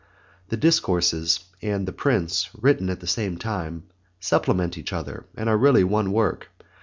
The Discourses and The Prince, written at the same time, supplement each other and are really one work.